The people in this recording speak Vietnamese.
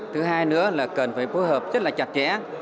thứ hai nữa là cần phải phối hợp rất là chặt chẽ